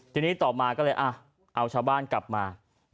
ทีนี้ต่อมาก็เลยเอาชาวบ้านกลับมา